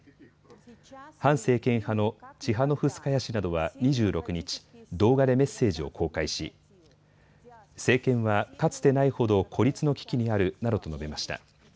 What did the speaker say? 反政権派のチハノフスカヤ氏などは２６日、動画でメッセージを公開し政権は、かつてないほど孤立の危機にあるなどと述べました。